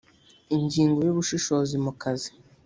ingingo ya ubushishozi mu kazi